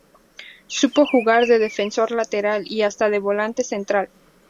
Supo jugar de defensor lateral y hasta de volante central.